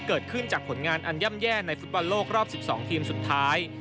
เกิดขึ้นจากผลงานอันย่ำแย่ในฟุตบอลโลกรอบ๑๒ทีมสุดท้าย